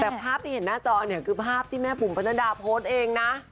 แต่ภาพที่เห็นหน้าจอเนี่ยคือภาพที่แม่บุ๋มประนัดดาโพสต์เองนะ